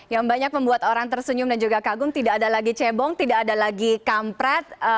yang banyak membuat orang tersenyum dan juga kagum tidak ada lagi cebong tidak ada lagi kampret